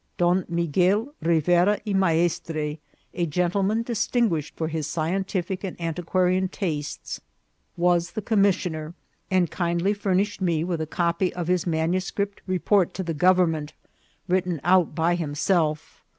Don Miguel Rivera y Maestre, a gentleman distinguished for his scientific and antiquarian tastes, was the commissioner, and kindly furnished me with a copy of his manuscript report to the government, written out by himself.